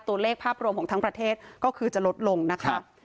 ตัวเลขภาพรวมของทั้งประเทศก็คือจะลดลงนะคะ